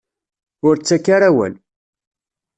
Ur ttak ara awal.